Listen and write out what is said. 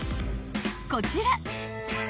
［こちら］